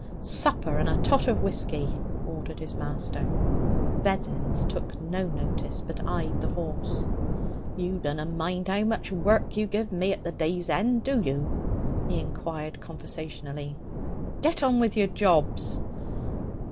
'Supper and a tot of whisky!' ordered his master. Vessons took no notice, but eyed the horse. 'You dunna mind how much work you give me at the day's end, do you?' he inquired conversationally. 'Get on with your jobs!'